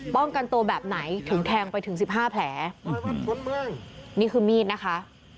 ป้องกันตัวแบบไหนถึงแทงไปถึงสิบห้าแผลนี่คือมีดนะคะ